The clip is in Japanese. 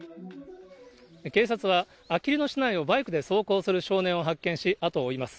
警察は、あきる野市内をバイクで走行する少年を発見し、後を追います。